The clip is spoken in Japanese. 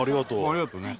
ありがとうね。